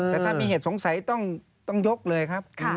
แต่ถ้ามีเหตุสงสัยต้องยกเลยครับ